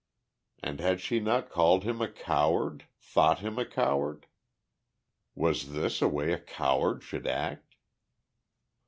And had she not called him a coward, thought him a coward? Was this the way a coward should act?